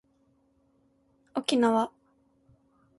沖縄